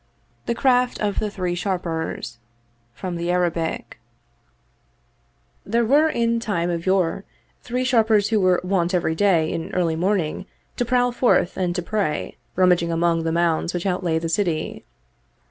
TAe Craft of the Three Sharpers From the Arabic 'pHERE were in time of yore three Sharpers who were wont every day in early morning to prowl forth and to prey, rummaging among the mounds which outlay the city.